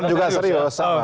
kan juga serius